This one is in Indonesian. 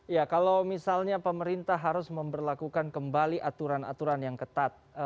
ya kalau misalnya pemerintah harus memperlakukan kembali aturan aturan yang ketat